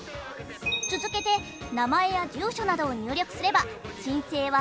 続けて名前や住所などを入力すれば申請は完了。